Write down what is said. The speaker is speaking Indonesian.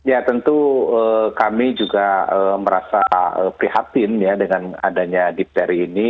ya tentu kami juga merasa prihatin ya dengan adanya dipteri ini